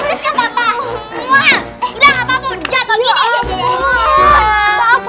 gak apa apa kawan miniatur kamu